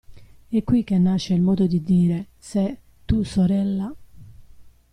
È qui che nasce il modo di dire "se, tu sorella…".